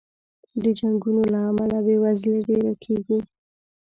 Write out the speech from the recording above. د جنګونو له امله بې وزلي ډېره کېږي.